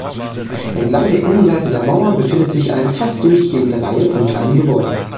Entlang der Innenseite der Mauer befindet sich eine fast durchgehende Reihe von kleinen Gebäuden.